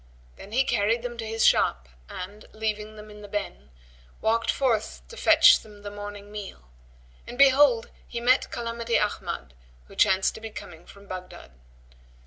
Then he carried them to his shop and, leaving them in the "ben"[FN#127] walked forth to fetch them the morning meal, and behold he met Calamity Ahmad who chanced to be coming from Baghdad.